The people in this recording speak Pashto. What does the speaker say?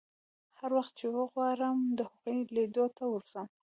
هر وخت چې وغواړم د هغو لیدو ته ورځم.